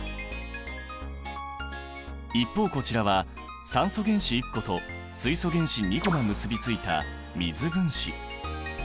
一方こちらは酸素原子１個と水素原子２個が結びついた水分子。